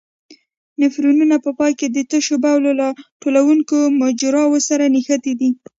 نفرونونه په پای کې د تشو بولو له ټولوونکو مجراوو سره نښتي دي.